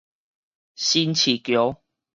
新市橋